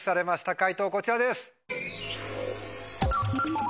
解答こちらです。